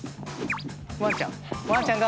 ワンちゃん。